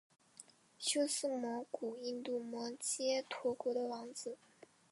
修私摩古印度摩揭陀国的王子。